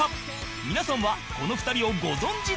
皆さんはこの２人をご存じだろうか？